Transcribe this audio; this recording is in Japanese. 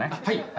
はい。